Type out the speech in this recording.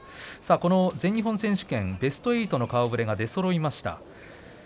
全日本選手権ベスト８の顔ぶれが出そろいました。